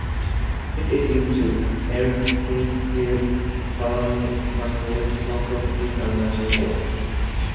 This is used to elucidate their pharmacological properties and natural roles.